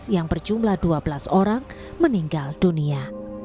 yang berjumlah dua belas orang meninggal dunia